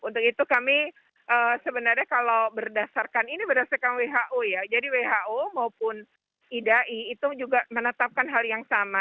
untuk itu kami sebenarnya kalau berdasarkan ini berdasarkan who ya jadi who maupun idai itu juga menetapkan hal yang sama